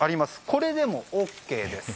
これでもＯＫです。